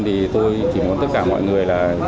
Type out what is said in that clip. thì tôi chỉ muốn tất cả mọi người